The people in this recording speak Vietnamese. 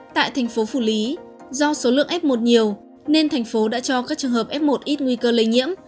tại thành phố phủ lý do số lượng f một nhiều nên thành phố đã cho các trường hợp f một ít nguy cơ lây nhiễm